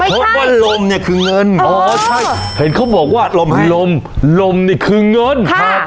เพราะว่าลมเนี่ยคือเงินอ๋อใช่เห็นเขาบอกว่าลมลมลมเนี่ยคือเงินค่ะ